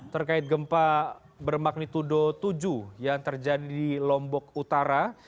terkait gempa bermagnitudo tujuh yang terjadi di lombok utara